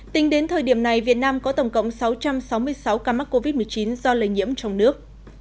tính đến thời điểm này việt nam có tổng cộng sáu trăm sáu mươi sáu ca mắc covid một mươi chín do lây nhiễm trong nước